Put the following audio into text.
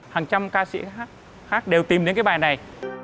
hàng trăm ca sĩ hát đều tìm đến cái bài này